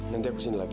nanti aku sini lagi